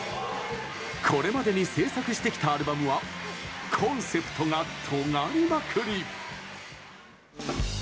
これまでに制作してきたアルバムはコンセプトがとがりまくり！